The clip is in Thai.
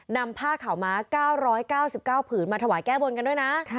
นำผ้าขาวม้า๙๙๙ผืนมาถวายแก้บนกันด้วยนะ